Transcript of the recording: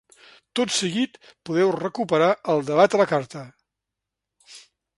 Tot seguit, podeu recuperar el debat a la carta.